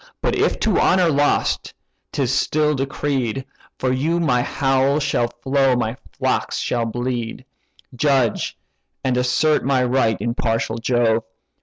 But if to honour lost, 'tis still decreed For you my bowl shall flow, my flocks shall bleed; Judge, and assert my right, impartial Jove!